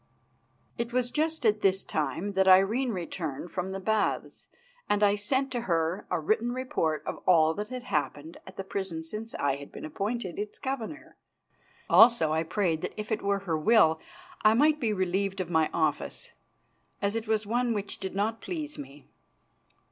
It was just at this time that Irene returned from the Baths, and I sent to her a written report of all that had happened at the prison since I had been appointed its governor. Also I prayed that if it were her will I might be relieved of my office, as it was one which did not please me.